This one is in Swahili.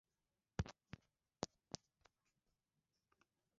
mchele sukari petroli iliyosafishwa bidhaa zilizopikwa vipodozi na vifaa vya chuma